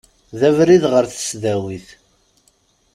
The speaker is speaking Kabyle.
D abrid ɣer tesdawit.